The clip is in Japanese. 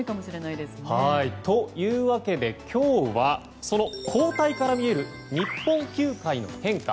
というわけで、今日はその交代から見える日本球界の変化。